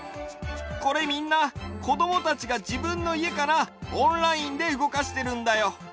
これみんなこどもたちがじぶんのいえからオンラインでうごかしてるんだよ。